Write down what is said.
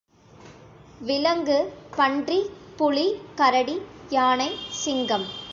விலங்கு, பன்றி, புலி, கரடி, யானை, சிங்கம்.